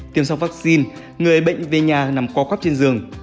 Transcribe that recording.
tiêm xong vaccine người ấy bệnh về nhà nằm co cóp trên giường